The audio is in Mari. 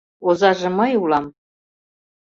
Озаже мый улам.